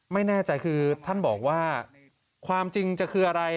ไม่แน่ใจคือท่านบอกว่าความจริงจะคืออะไร